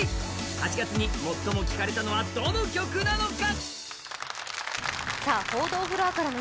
８月に最も聴かれたのはどの曲なのか。